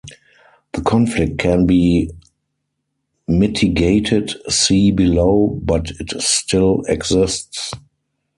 The conflict can be mitigated-see below-but it still exists.